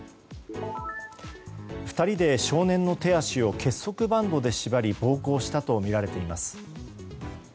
２人で少年の手足を結束バンドで縛り暴行したとみられています。